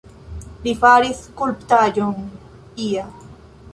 Li faris skulptaĵon ia.